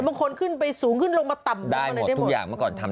มันขนขึ้นไปสูงขึ้นลงมาต่ำไปมาวันไหนได้หมด